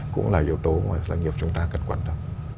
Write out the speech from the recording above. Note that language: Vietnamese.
cũng là yếu tố mà doanh nghiệp chúng ta cần quan tâm